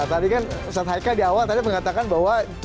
nah tapi kan ustaz haikal di awal tadi mengatakan bahwa